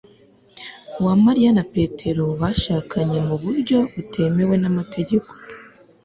uwamariya na petero bashakanye mu buryo butemewe n'amategeko